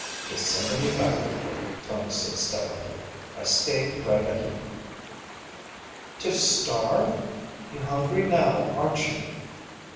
"They send a me back," Tony said stubbornly. "I stay right a here!" "To starve? You're hungry now, aren't you?"